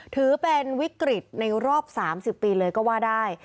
ถือเป็นวิกฤตในรอบ๓๐ปีเลยก็ว่าได้